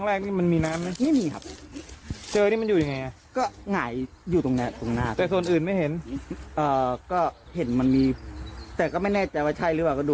แล้วแต่ไม่รู้ว่าจะทำยังไงกันก็เฉยไปก่อน